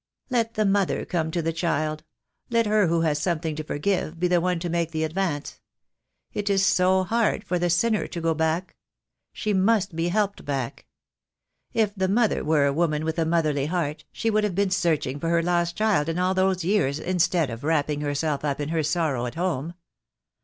"Let the mother come to the child. Let her who has something to forgive be the one to make the ad vance. It is so hard for the sinner to go back. She must be helped back. If the mother were a woman with 40 THE DAY WILL COME. a motherly heart she would have been searching for her lost child in all those years instead of wrapping herself up in her sorrow at home."